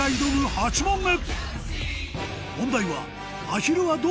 ８問目